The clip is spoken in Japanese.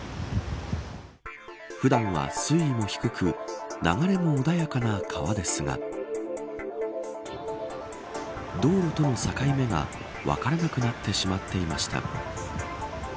普段は水位も低く流れも穏やかな川ですが道路との境目が分からなくなってしまっていました。